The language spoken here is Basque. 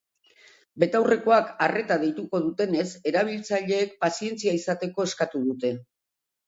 Betaurrekoak arreta deituko dutenez erabiltzaileek pazientzia izateko eskatu dute.